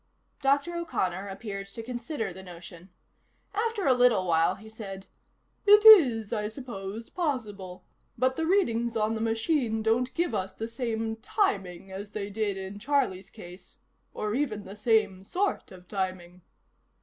Dr. O'Connor appeared to consider the notion. After a little while he said: "It is, I suppose, possible. But the readings on the machine don't give us the same timing as they did in Charlie's case or even the same sort of timing."